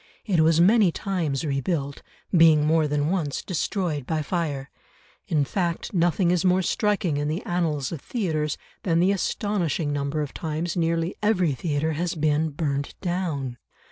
It was many times rebuilt, being more than once destroyed by fire; in fact nothing is more striking in the annals of theatres than the astonishing number of times nearly every theatre has been burnt down.